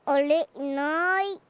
いない。